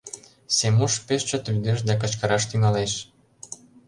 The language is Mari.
Семуш пеш чот лӱдеш да кычкыраш тӱҥалеш: